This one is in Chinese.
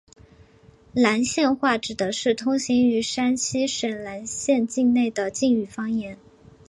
岚县话指的是通行于山西省岚县境内的晋语方言。